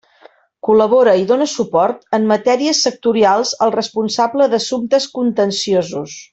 Col·labora i dóna suport en matèries sectorials al responsable d'assumptes contenciosos.